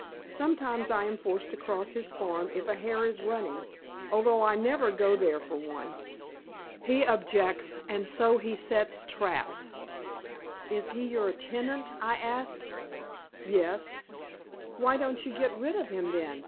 Sometimes I am forced to cross his farm if a hare is running, although I never go there for one. He objects, and so he sets traps." "Is he your tenant?" I asked. "Yes." "Why don't you get rid of him, then?